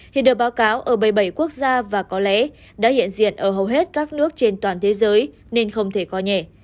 hiện được báo cáo ở bảy mươi bảy quốc gia và có lẽ đã hiện diện ở hầu hết các nước trên toàn thế giới nên không thể coi nhẹ